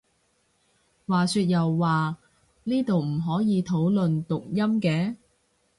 話說又話呢度唔可以討論讀音嘅？